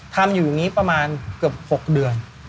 ทำอยู่อย่างนี้ประมาณเกือบ๖เดือน